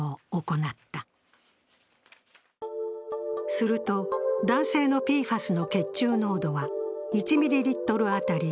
すると、男性のＰＦＡＳの血中濃度は１ミリリットル当たり